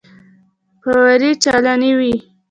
فوارې چالانې وې.